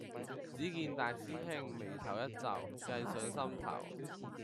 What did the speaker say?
只見大師兄眉頭一皺，計上心頭